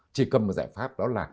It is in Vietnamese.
chỉ cần một giải pháp đó là